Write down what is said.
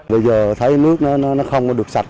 bây giờ thấy nước nó không được sạch